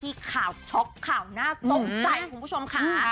ข่าวช็อกข่าวน่าตกใจคุณผู้ชมค่ะ